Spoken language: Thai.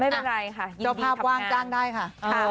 ไม่เป็นไรค่ะยินดีที่จะพาบกว้างจ้างได้ค่ะ